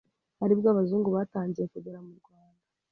aribwo abazungu batangiye kugera mu Rwanda